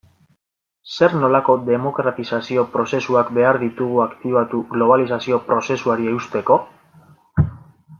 Zer nolako demokratizazio prozesuak behar ditugu aktibatu globalizazio prozesuari eusteko?